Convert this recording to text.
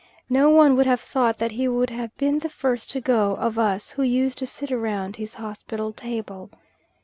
No one would have thought that he would have been the first to go of us who used to sit round his hospitable table.